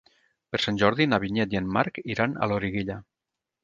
Per Sant Jordi na Vinyet i en Marc iran a Loriguilla.